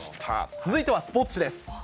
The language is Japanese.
続いてはスポーツ紙です。